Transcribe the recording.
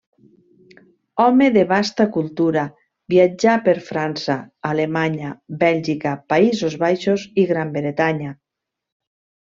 Home de vasta cultura, viatjà per França, Alemanya, Bèlgica, Països Baixos i Gran Bretanya.